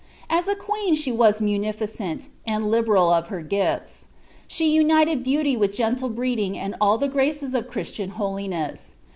As a queen she was munificent, and liberal of her gif^. She united beauty with gentle breeding and all the graces of Christian holiness.